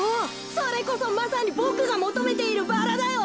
それこそまさにボクがもとめているバラだよ！